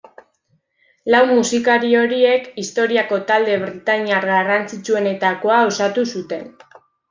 Lau musikari horiek historiako talde britaniar garrantzitsuenetakoa osatu zuten.